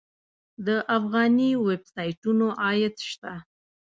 د افغاني ویب سایټونو عاید شته؟